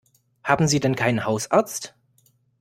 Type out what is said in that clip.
Haben Sie denn keinen Hausarzt?